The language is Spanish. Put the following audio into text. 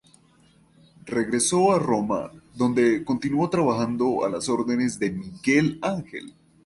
Regresó a Roma, donde continuó trabajando a las órdenes de Miguel Ángel.